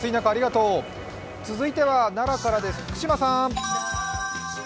続いては奈良からです、福島さん。